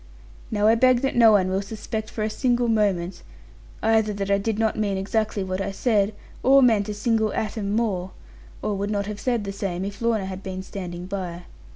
Now I beg that no one will suspect for a single moment, either that I did not mean exactly what I said, or meant a single atom more, or would not have said the same, if Lorna had been standing by.